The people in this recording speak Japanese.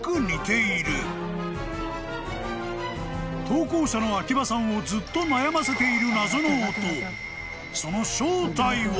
［投稿者の秋葉さんをずっと悩ませている］